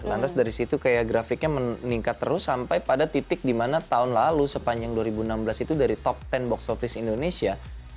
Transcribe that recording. lantas dari situ kayak grafiknya meningkat terus sampai pada titik dimana tahun lalu sepanjang dua ribu enam belas itu dari top sepuluh box office indonesia